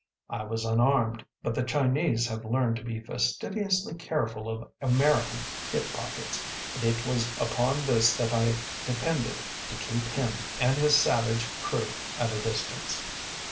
I was unarmed, but the Chinese have learned to be fastidiously careful of American hip pockets, and it was upon this that I depended to keep him and his savage crew at a distance.